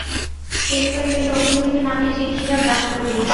Cake হয়ে গেলে oven থেকে নামিয়ে চিনি সিরাপ ব্রাশ করে দিন।